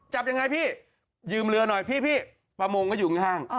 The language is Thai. จับยังไงพี่ยืมเรือหน่อยพี่ประมงก็อยู่ข้าง